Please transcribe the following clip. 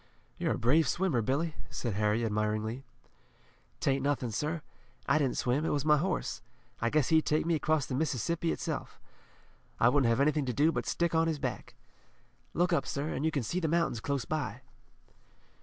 "You're a brave swimmer, Billy," said Harry admiringly. "'Tain't nothin, sir. I didn't swim. It was my horse. I guess he'd take me across the Mississippi itself. I wouldn't have anything to do but stick on his back. Look up, sir, an' you can see the mountains close by."